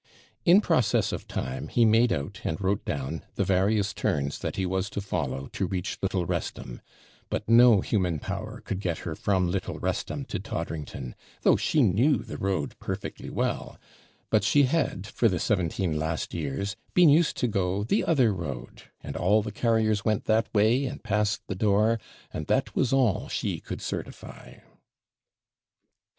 In process of time, he made out, and wrote down, the various turns that he was to follow, to reach Little Wrestham; but no human power could get her from Little Wrestham to Toddrington, though she knew the road perfectly well; but she had, for the seventeen last years, been used to go 'the other road,' and all the carriers went that way, and passed the door, and that was all she could certify.